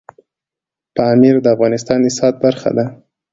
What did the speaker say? پامیر د افغانستان د اقتصاد برخه ده.